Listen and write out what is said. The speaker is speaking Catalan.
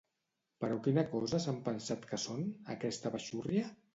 Però quina cosa s'han pensat que són, aquesta baixúrria?